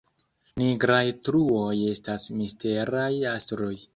Nigraj truoj estas misteraj astroj